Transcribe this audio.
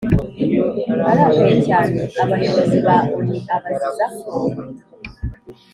arakaye cyane abayobozi ba onu abaziza ko